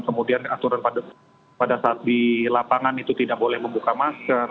kemudian aturan pada saat di lapangan itu tidak boleh membuka masker